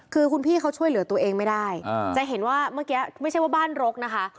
คือคุณพี่เขาช่วยเหลือตัวเองไม่ได้จะเห็นว่าเมื่อกี้ไม่ใช่ว่าบ้านรกนะคะ